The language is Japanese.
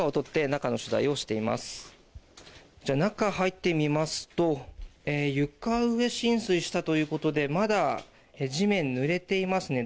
中を入ってみますと床上浸水したということでまだ、地面がぬれていますね。